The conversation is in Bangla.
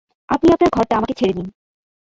আপনি আপনার ঘরটা আমাকে ছেড়ে দিন।